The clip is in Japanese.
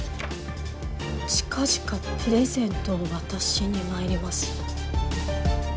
「近々プレゼントを渡しに参ります」。